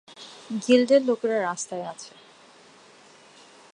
গিল্ডের লোকেরা রাস্তায় আছে।